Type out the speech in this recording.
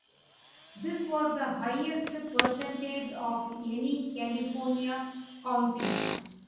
This was the highest percentage of any California county.